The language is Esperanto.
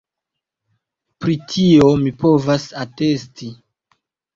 Pri tio mi povas atesti.